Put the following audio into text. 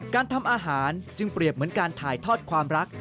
การทำอาหารจึงเปรียบเหมือนการถ่ายทอดความรัก